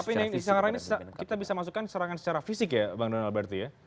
tapi yang diserang sekarang ini kita bisa masukkan serangan secara fisik ya bang donald alberti ya